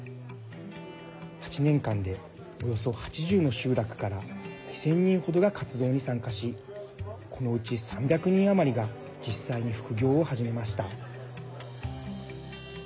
８年間で、およそ８０の集落から２０００人程が活動に参加しこのうち３００人余りが実際に副業を始めました。